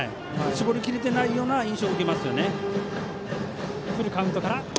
絞りきれてないような印象を受けますよね。